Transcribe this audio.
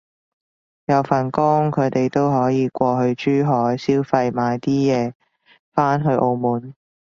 有份工，佢哋都可以過去珠海消費買啲嘢返去澳門